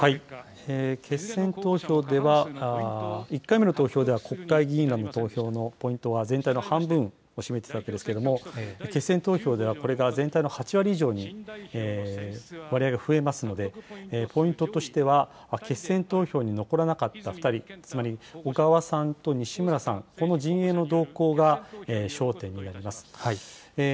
決選投票では、１回目の投票では国会議員らの投票のポイントは全体の半分を占めていたわけですけれども、決選投票では、これが全体の８割以上に割合が増えますので、ポイントとしては、決選投票に残らなかった２人、つまり小川さんと西村さん、この陣営の動向が焦点になります。